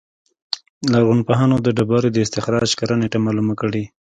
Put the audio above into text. لرغونپوهان د ډبرې د استخراج کره نېټه معلومه کړي.